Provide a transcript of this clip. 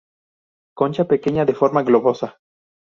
Concha pequeña de forma globosa.